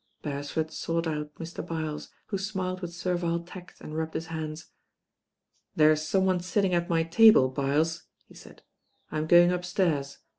Beresford sought out Mr. Byles, who smiled with servile tact and rubbed his hands. "There's someone sitting at my table, Byles," he said; "I'm going upstairs.